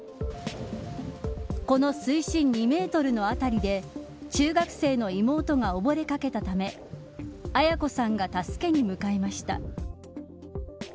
この水深２メートルの辺りで中学生の妹が溺れかけたため絢子さんが助けに向かいました。